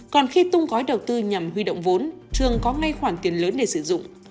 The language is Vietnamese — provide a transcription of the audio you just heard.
còn khi tung gói đầu tư nhằm huy động vốn trường có ngay khoản tiền lớn để sử dụng